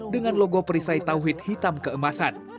dengan logo perisai tauhid hitam keemasan